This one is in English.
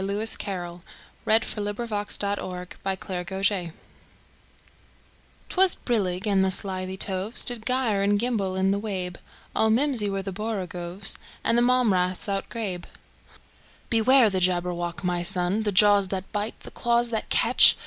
Lewis Carroll 1832–98 Jabberwocky CarrollL 'T WAS brillig, and the slithy tovesDid gyre and gimble in the wabe; All mimsy were the borogoves, And the mome raths outgrabe."Beware the Jabberwock, my son! The jaws that bite, the claws that catch!